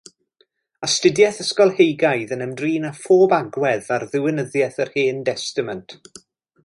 Astudiaeth ysgolheigaidd yn ymdrin â phob agwedd ar ddiwinyddiaeth yr Hen Destament.